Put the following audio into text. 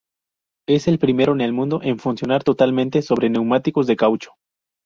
Es el primero en el mundo en funcionar totalmente sobre neumáticos de caucho.